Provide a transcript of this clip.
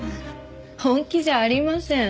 本気じゃありません。